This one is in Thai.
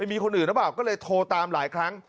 มีคนอื่นหรือเปล่าก็เลยโทรตามหลายครั้ง